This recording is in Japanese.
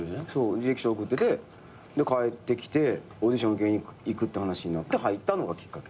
履歴書送ってて帰ってきてオーディション受けに行くって話になって入ったのがきっかけ。